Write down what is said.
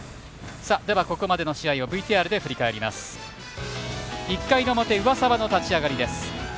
ここまでの試合をＶＴＲで振り返ります、１回の表上沢の立ち上がりです。